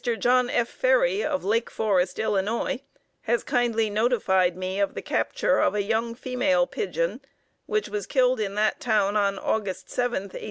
John F. Ferry of Lake Forest, Ill., has kindly notified me of the capture of a young female pigeon which was killed in that town on August 7, 1895.